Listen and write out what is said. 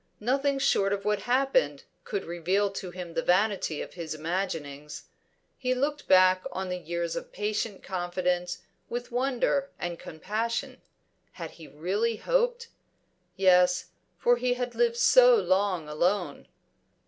Nothing short of what had happened could reveal to him the vanity of his imaginings. He looked back on the years of patient confidence with wonder and compassion. Had he really hoped? Yes, for he had lived so long alone.